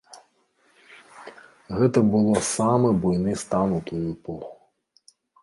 Гэта было самы буйны стан у тую эпоху.